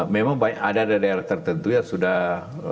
memang ada daerah daerah tertentu yang sudah